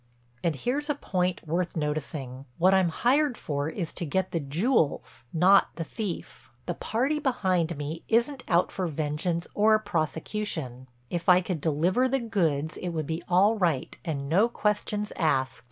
"And here's a point worth noticing: What I'm hired for is to get the jewels, not the thief. The party behind me isn't out for vengeance or prosecution. If I could deliver the goods it would be all right and no questions asked.